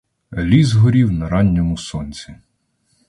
Ліс горів на ранньому сонці.